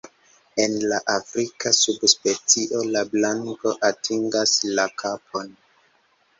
En la afrika subspecio la blanko atingas la kapon.